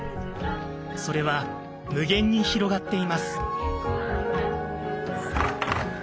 それは無限に広がっています。